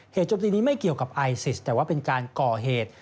โจมตีนี้ไม่เกี่ยวกับไอซิสแต่ว่าเป็นการก่อเหตุ